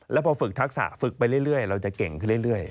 แล้วพอฝึกทักษะฝึกไปเรื่อยเราจะเก่งขึ้นเรื่อย